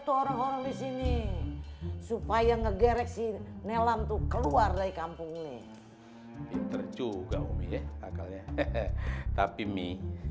tolong disini supaya ngegerek sinyalam tuh keluar dari kampung ini inter juga tapi mi